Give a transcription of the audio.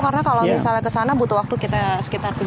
karena kalau misalnya ke sana butuh waktu kita sekitar tiga puluh menit